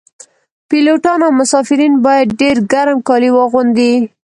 پیلوټان او مسافرین باید ډیر ګرم کالي واغوندي